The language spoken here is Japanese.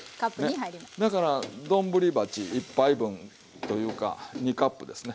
だから丼鉢１杯分というか２カップですね。